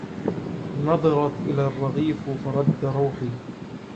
نظرت إلى الرغيف فرد روحي